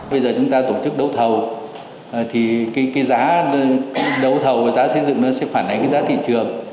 bây giờ chúng ta tổ chức đấu thầu thì cái giá đấu thầu và giá xây dựng nó sẽ phản ánh cái giá thị trường